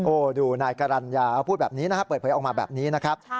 โอ้ดูนายการัญญาพูดแบบนี้นะเปิดเผยออกมาแบบนี้นะครับ